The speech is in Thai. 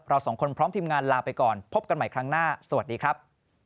เราสองคนพร้อมทีมงานลาไปก่อนพบกันใหม่ครั้งหน้าสวัสดีครับ